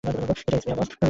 এটাই স্পৃহা, বস।